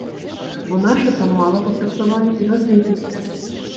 Бо нашы там мала папрацавалі і разбегліся.